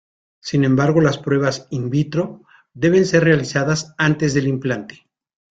Sin embargo las pruebas "in vitro" deben ser realizadas antes del implante.